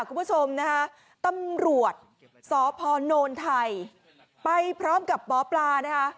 คุณผู้ชมนะคะตำรวจสพนไทยไปพร้อมกับหมอปลานะคะ